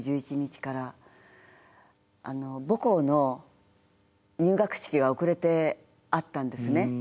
母校の入学式が遅れてあったんですね。